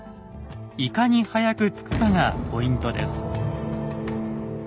いかに早く着くかがポイントです。